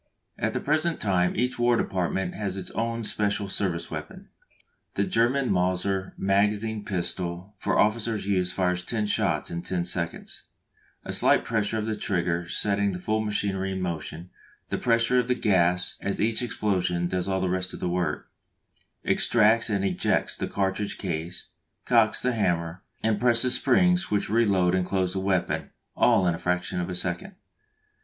At the present time each War Department has its own special service weapon. The German Mauser magazine pistol for officer's use fires ten shots in ten seconds, a slight pressure of the trigger setting the full machinery in motion; the pressure of gas at each explosion does all the rest of the work extracts and ejects the cartridge case, cocks the hammer, and presses springs which reload and close the weapon, all in a fraction of a second.